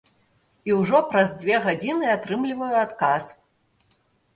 І ўжо праз дзве гадзіны атрымліваю адказ.